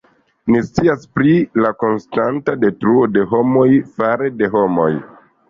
Ni scias pri la konstanta detruo de homoj fare de homoj.